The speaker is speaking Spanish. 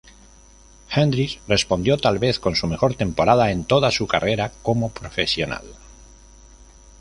Hendricks respondió tal vez con su mejor temporada en toda su carrera como profesional.